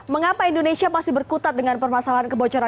mengapa indonesia masih berkutat dengan permasalahan kebocoran